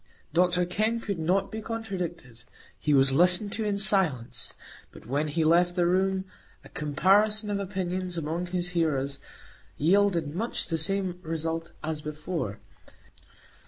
Dr Kenn could not be contradicted; he was listened to in silence; but when he left the room, a comparison of opinions among his hearers yielded much the same result as before.